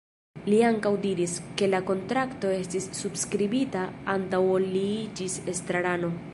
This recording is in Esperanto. Li ankaŭ diris, ke la kontrakto estis subskribita antaŭ ol li iĝis estrarano.